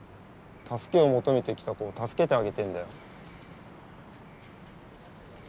助けを求めてきた子を助けてあげてんだよ。